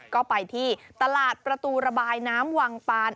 ก็ไปที่ตลาดประตูระบายน้ำวังปาน